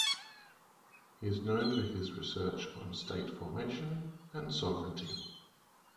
He is known for his research on state formation and sovereignty.